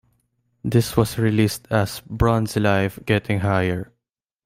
This was released as "Bronz Live - Getting Higher".